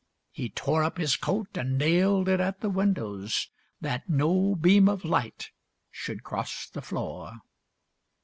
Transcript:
He tore up his coat and nailed it at the windows That no beam of light should cross the floor.